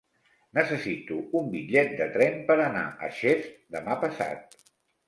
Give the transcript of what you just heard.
Necessito un bitllet de tren per anar a Xest demà passat.